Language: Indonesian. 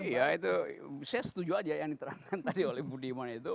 iya itu saya setuju aja yang diterangkan tadi oleh budiman itu